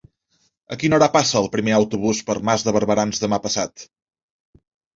A quina hora passa el primer autobús per Mas de Barberans demà passat?